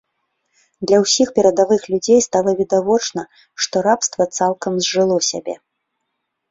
Для ўсіх перадавых людзей стала відавочна, што рабства цалкам зжыло сябе.